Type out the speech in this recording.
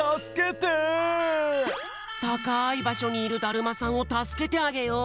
たかいばしょにいるだるまさんをたすけてあげよう！